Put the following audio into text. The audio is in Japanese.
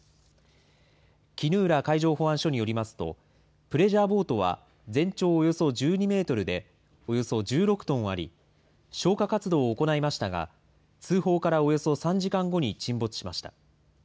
衣浦海上保安署によりますと、プレジャーボートは全長およそ１２メートルで、およそ１６トンあり、消火活動を行いましたが、通報からおよそ３時間後に沈没しました。